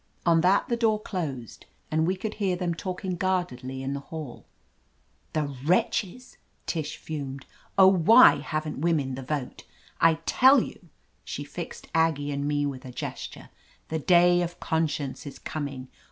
On that the door closed, and we could hear them talking guardedly in the hall. "The wretches!" Tish fumed. "Oh, why haven't women the vote? I tell you" — she fixed Aggie and me with a gesture — "the day of conscience is coming.